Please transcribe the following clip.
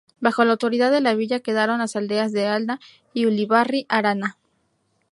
Bajo la autoridad de la villa quedaron las aldeas de Alda y Ullíbarri-Arana.